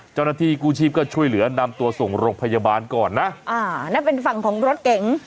เจ้าหน้าที่กู้ชีพก็ช่วยเหลือนำตัวส่งโรงพยาบาลก่อนนะอ่านั่นเป็นฝั่งของรถเก๋ง